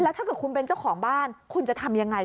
ถ้าเกิดคุณเป็นเจ้าของบ้านคุณจะทำยังไง